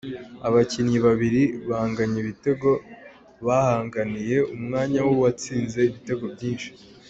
Abakinnyi babiri banganya ibitego bahanganiye umwanya w’uwatsinze ibitego byinshi.